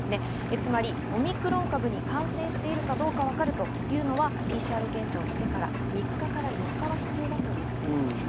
つまりオミクロン株に感染してるかどうかわかるというのはＰＣＲ検査をしてから３日から４日は必要だということですね。